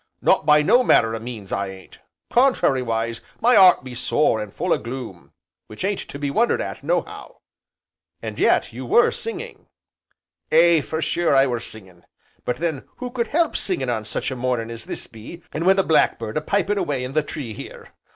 "Not by no manner o' means, I ain't, contrariwise my 'eart be sore an' full o' gloom, which ain't to be wondered at, nohow." "And yet you were singing." "Aye, for sure I were singin', but then who could help singin' on such a mornin' as this be, an' wi' the black bird a piping away in the tree here.